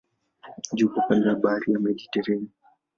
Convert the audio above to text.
Mji uko kando ya bahari ya Mediteranea.